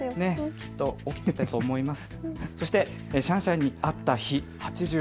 きっと起きていたと思います。